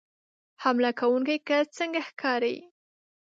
حمله کوونکی کس څنګه ښکاري